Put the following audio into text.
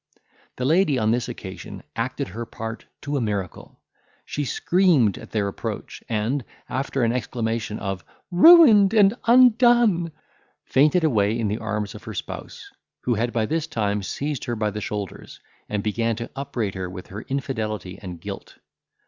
The lady on this occasion acted her part to a miracle; she screamed at their approach; and, after an exclamation of "Ruined and undone!" fainted away in the arms of her spouse, who had by this time seized her by the shoulders, and begun to upbraid her with her infidelity and guilt.